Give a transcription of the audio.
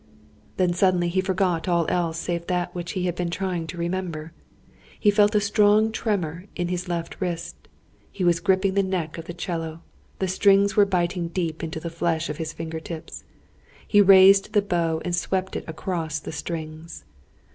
Then suddenly, he forgot all else save that which he had been trying to remember. He felt a strong tremor in his left wrist. He was gripping the neck of the 'cello. The strings were biting deep into the flesh of his finger tips. He raised the bow and swept it across the strings.